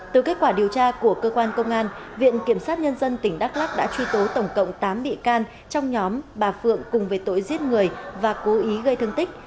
từ kết quả điều tra của cơ quan công an viện kiểm sát nhân dân tỉnh đắk lắc đã truy tố tổng cộng tám bị can trong nhóm bà phượng cùng về tội giết người và cố ý gây thương tích